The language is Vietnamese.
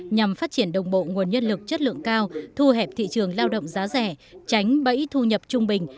nhằm phát triển đồng bộ nguồn nhân lực chất lượng cao thu hẹp thị trường lao động giá rẻ tránh bẫy thu nhập trung bình